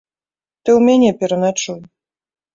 Ты ў мяне пераначуй.